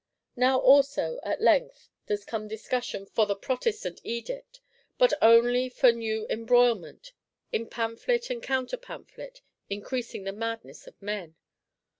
_ Now also, at length, does come discussion of the Protestant Edict: but only for new embroilment; in pamphlet and counter pamphlet, increasing the madness of men.